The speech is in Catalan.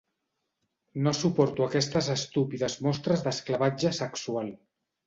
No suporto aquestes estúpides mostres d'esclavatge sexual.